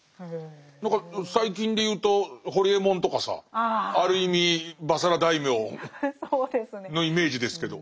何か最近で言うとホリエモンとかさある意味婆娑羅大名のイメージですけど。